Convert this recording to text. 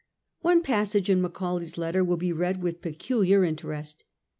One passage in Macaulay's letter will be read with peculiar interest.